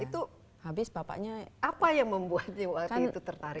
itu apa yang membuatnya waktu itu tertarik dengan anak